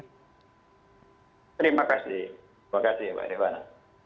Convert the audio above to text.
terima kasih terima kasih mbak rifana